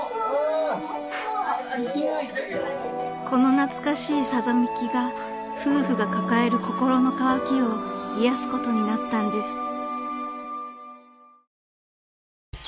［この懐かしいさざめきが夫婦が抱える心の渇きを癒やすことになったんです］